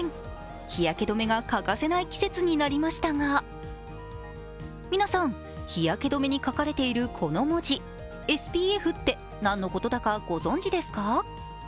日焼け止めが欠かせない季節になりましたが、皆さん、日焼け止めに書かれているこの文字、ＳＰＦって何のことだかご存じですか？